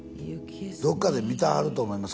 どっかで見たはると思います